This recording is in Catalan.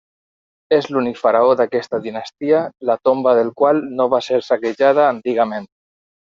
És l'únic faraó d'aquesta dinastia la tomba del qual no va ser saquejada antigament.